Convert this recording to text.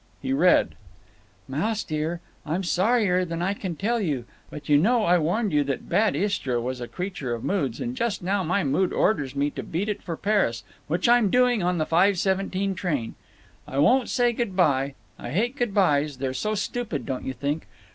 He read: Mouse dear, I'm sorrier than I can tell you, but you know I warrned you that bad Istra was a creature of moods, and just now my mood orders me to beat it for Paris, which I'm doing, on the 5.17 train. I won't say good by—I hate good bys, they're so stupid, don't you think?